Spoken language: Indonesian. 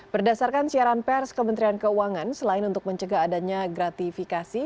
berdasarkan siaran pers kementerian keuangan selain untuk mencegah adanya gratifikasi